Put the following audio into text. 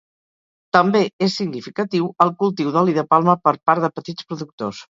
També és significatiu el cultiu d'oli de palma per part de petits productors.